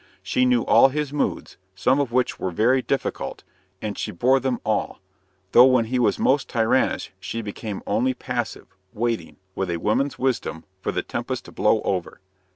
She knew all his moods, some of which were very difficult, and she bore them all; though when he was most tyrannous she became only passive, waiting, with a woman's wisdom, for the tempest to blow over.